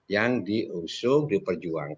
yang diusung diperjuangkan